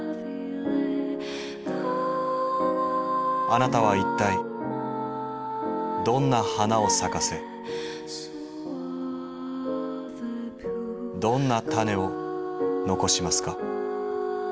あなたは一体どんな花を咲かせどんな種を残しますか？